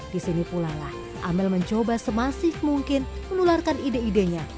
di sini pulalah amel mencoba semasif mungkin menularkan ide idenya